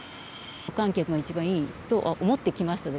無観客が一番いいと思ってきました。